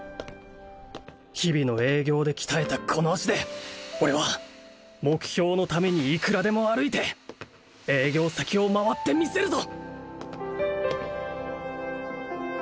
日々の営業で鍛えたこの足で俺は目標のためにいくらでも歩いて営業先を回ってみせるぞ！